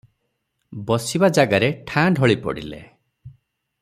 ବସିବା ଜାଗାରେ ଠାଁ ଢଳି ପଡିଲେ ।